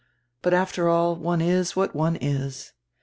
But, after all, one is what one is."